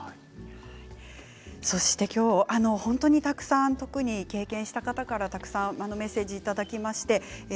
そして今日本当にたくさん特に経験した方からメッセージをいただきました。